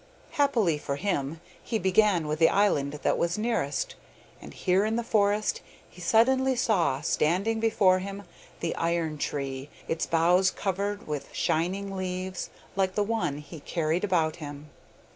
Happily for him, he began with the island that was nearest, and here in the forest he suddenly saw standing before him the iron tree, its boughs covered with shining leaves like the one he carried about him.